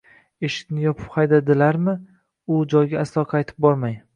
Eshikni yopib xaydadilarmi.? U joyga aslo qaytib bormang.